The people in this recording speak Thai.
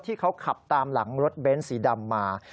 ที่เขาขับตามหลังรถเบ้นสีดำมา